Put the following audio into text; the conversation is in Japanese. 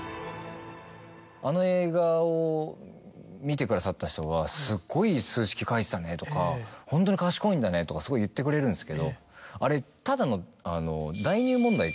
あの映画を見てくださった人は「すごい数式書いてたね」とか「ホントに賢いんだね」とかすごい言ってくれるんですけどあれただの。